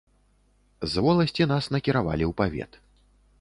З воласці нас накіравалі ў павет.